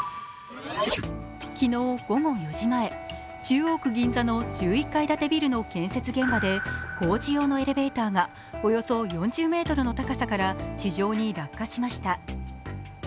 昨日午後４時前、中央区銀座の１１階建てビルの工事現場で工事用のエレベーターがおよそ４０ｍの高さから地上に落下しました。